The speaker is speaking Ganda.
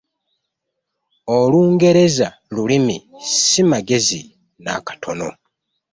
Olungereza lulimi ssi magezi n'akatono.